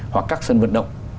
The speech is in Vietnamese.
hoặc các sân vận động